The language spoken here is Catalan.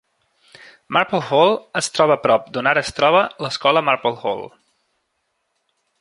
Marple Hall es troba prop d'on ara es troba l'escola Marple Hall.